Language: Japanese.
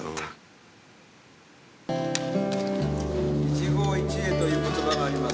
一期一会という言葉があります。